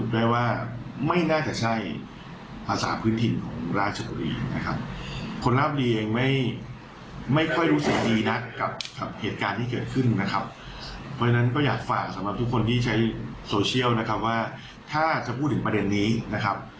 ถ้าจะพูดถึงประเด็นนี้นะครับ